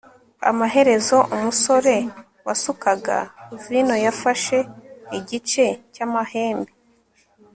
amaherezo, umusore wasukaga vino yafashe igice cyamahembe